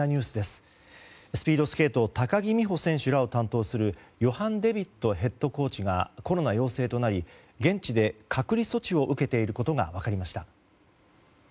スピードスケート高木美帆選手らを担当するヨハン・デビットヘッドコーチがコロナ陽性となり現地で隔離措置を受けていることが分かりました。